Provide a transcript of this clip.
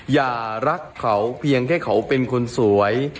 อย่ารักเขาเพียงแค่เขาเป็นคนสวย